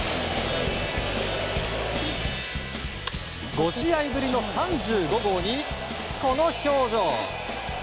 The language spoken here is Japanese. ５試合ぶりの３５号にこの表情。